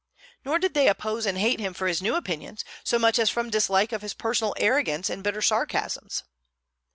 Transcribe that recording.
Nor did they oppose and hate him for his new opinions, so much as from dislike of his personal arrogance and bitter sarcasms.